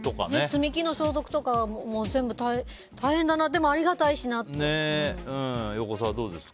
積み木の消毒とかも全部大変だな横澤、どうですか？